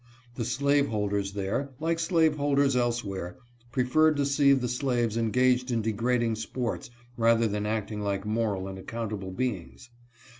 The slave holders there, like slaveholders elsewhere, preferred to see the slaves engaged in degrading sports, rather than acting like moral and accountable beings.